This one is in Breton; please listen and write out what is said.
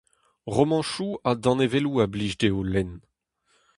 Romantoù ha danevelloù a blij dezho lenn.